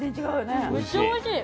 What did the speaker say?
めっちゃおいしい！